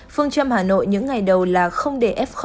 phương châm hà nội những ngày đầu là không để f một